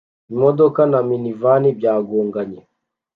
Imodoka na minivani byagonganye